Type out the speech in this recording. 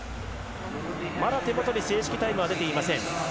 まだ手元に正式タイムは出ていません。